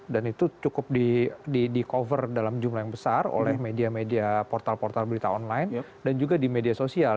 dan itu cukup di cover dalam jumlah yang besar oleh media media portal portal berita online dan juga di media sosial